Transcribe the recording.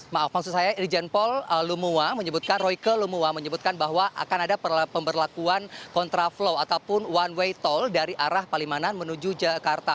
maaf maksud saya irjen paul lumua menyebutkan royke lumua menyebutkan bahwa akan ada pemberlakuan kontraflow ataupun one way tol dari arah palimanan menuju jakarta